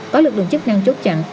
có lực lượng chức năng chốt chặn